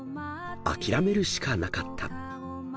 ［諦めるしかなかった］